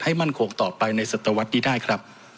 มั่นคงต่อไปในศตวรรษนี้ได้ครับ